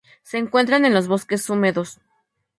Se encuentra en los bosques húmedos.